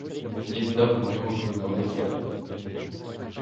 Дід давно його кликав до себе.